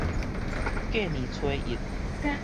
過年初一